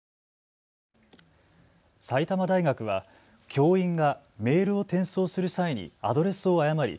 埼玉大学は教員がメールを転送する際にアドレスを誤り